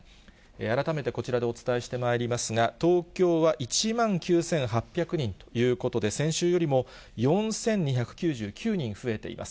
改めてこちらでお伝えしてまいりますが、東京は１万９８００人ということで、先週よりも４２９９人増えています。